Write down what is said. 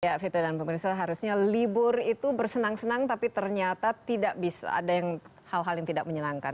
ya vito dan pemerintah harusnya libur itu bersenang senang tapi ternyata tidak bisa ada hal hal yang tidak menyenangkan